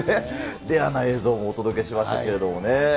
レアな映像をお届けしましたけれども。